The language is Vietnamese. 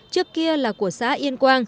trước kia là của xã yên quang